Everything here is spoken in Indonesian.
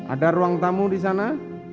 ada ruang tamu di sana